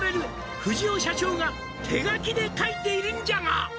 「藤尾社長が」「手書きで書いているんじゃが」